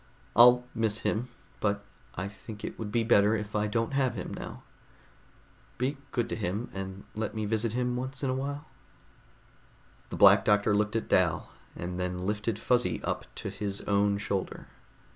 I'll miss him, but I think it would be better if I don't have him now. Be good to him, and let me visit him once in a while." The Black Doctor looked at Dal, and then lifted Fuzzy up to his own shoulder.